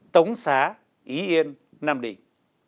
tống xá ý yên nam định